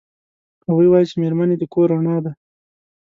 هغوی وایي چې میرمنې د کور رڼا ده